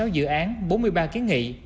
ba mươi sáu dự án bốn mươi ba kiến nghị